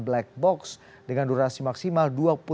black box dengan durasi maksimal